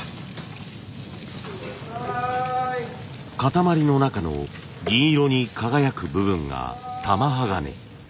塊の中の銀色に輝く部分が玉鋼。